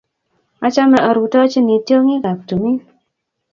achame arutachini tiongikap tumin